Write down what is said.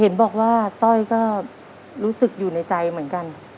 เห็นบอกว่าสร้อยก็รู้สึกอยู่ในใจเหมือนกัน